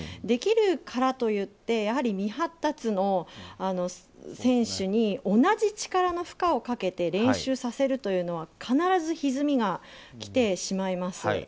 できるからといって未発達の選手に同じ力の負荷をかけて練習させるというのは必ずひずみがきてしまいます。